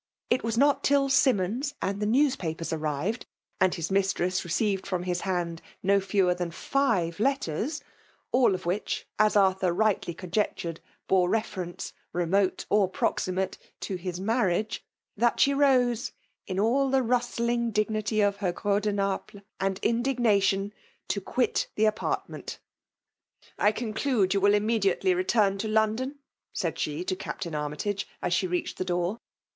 It was not tiU Simmoiui land the newspapers arrived, and his misttfeas received from his hand no fewer than five letters, — all of which, as Arthur rightly dsmr jeetnted, bore reference, remote or proximate^ to his marriage, — that she rose in all the mstlmg dignity other grxn de NcqUes, and in dig^ation, to quit the apartment. I conclude you will immediately return to London ?" said she to Capt. Army tage, as she reached the door.